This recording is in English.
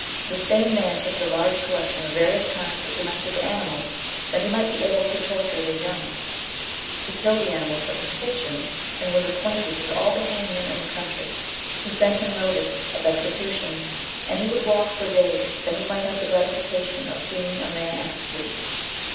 The same man kept a large collection of various kinds of domestic animals, that he might be able to torture their young. He killed the animals for his kitchen, and was acquainted with all the hangmen in the country, who sent him notice of executions, and he would walk for days that he might have the gratification of seeing a man executed.